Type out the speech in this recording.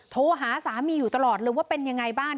โทรหาสามีอยู่ตลอดเลยว่าเป็นยังไงบ้าง